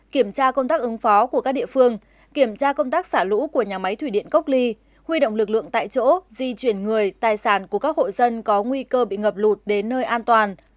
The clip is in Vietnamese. kiểm tra công tác xả lũ của nhà máy thủy điện cốc ly huy động lực lượng tại chỗ di chuyển người tài sản của các hộ dân có nguy cơ bị ngập lụt đến nơi an toàn